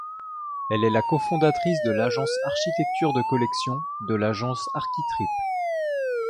Elle est la cofondatrice de l’agence Architecture de Collection, de l’agence Architrip.